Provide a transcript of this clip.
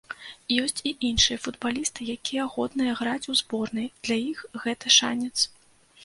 Ёсць і іншыя футбалісты, якія годныя граць у зборнай, для іх гэта шанец.